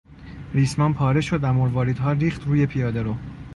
ریسمان پاره شد و مرواریدها ریخت روی پیادهرو.